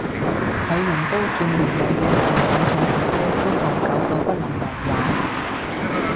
睇完刀劍亂舞啲前寶塚姐姐之後久久不能忘懷